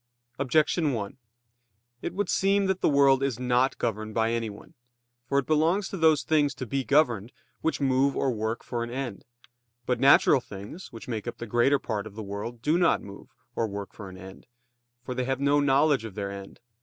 Objection 1: It would seem that the world is not governed by anyone. For it belongs to those things to be governed, which move or work for an end. But natural things which make up the greater part of the world do not move, or work for an end; for they have no knowledge of their end.